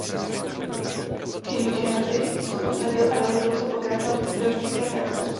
V Cincinnati se usadil a rozhodl se pokračovat v chirurgické praxi.